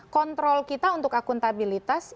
kontrol kita untuk akuntabilitasnya